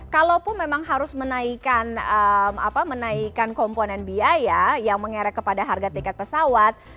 kalaupun memang harus menaikkan komponen biaya yang mengerek kepada harga tiket pesawat